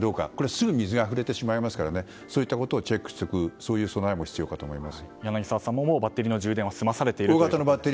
すぐ水があふれてしまいますからそういったことをチェックしておくという備えは必要かと思います。